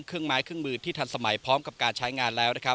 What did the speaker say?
เครื่องไม้เครื่องมือที่ทันสมัยพร้อมกับการใช้งานแล้วนะครับ